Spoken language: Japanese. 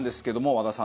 和田さん